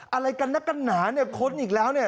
อะไรกันนักกันหนาเนี่ยค้นอีกแล้วเนี่ย